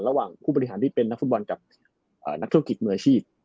ระหว่างผู้บริหารเป็นนักฝุ่ดบ่อนกับนักเฉพาะกิจมืออาชีพ